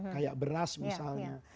kayak beras misalnya